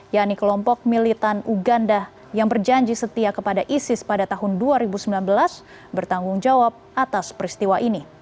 yakni kelompok militan uganda yang berjanji setia kepada isis pada tahun dua ribu sembilan belas bertanggung jawab atas peristiwa ini